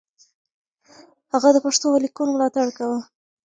هغه د پښتو ليکنو ملاتړ کاوه.